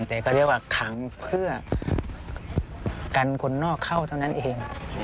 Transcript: แต่ก็เรียกว่าขังเพื่อกันคนนอกเข้าเท่านั้นเอง